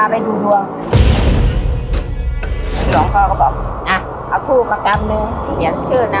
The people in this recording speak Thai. หยุดนอนอยู่บ้านเยอะเฉย